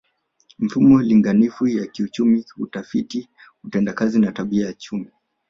Mifumo linganifu ya kiuchumi hutafiti utendakazi na tabia ya chumi